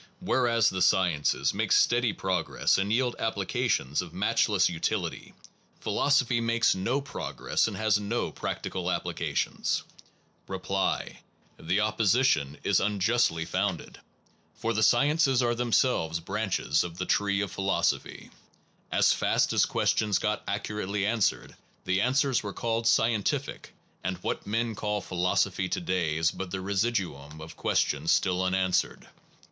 Whereas the sciences make Ob ec steady progress and yield applica tion that tions of matchless utility, philosophy it is un practical makes no progress and has no practi answered ,. cal applications. Reply. The opposition is unjustly founded, 9 SOME PROBLEMS OF PHILOSOPHY for the sciences are themselves branches of the tree of philosophy. As fast as questions got accurately answered, the answers were called * scientific/ and what men call * philosophy* to day is but the residuum of questions still unanswered.